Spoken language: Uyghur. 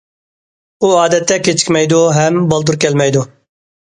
ئۇ ئادەتتە كېچىكمەيدۇ ھەم بالدۇر كەلمەيدۇ.